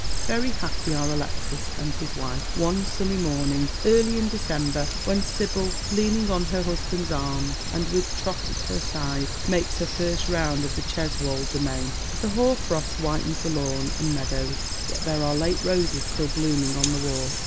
Very happy are Alexis and his wife one sunny morning early in December, when Sibyl, leaning on her husband's arm, and with Trot at her side, makes her first round of the Cheswold domain. The hoar frost whitens the lawn and meadows ; yet there are late roses still blooming on the wall.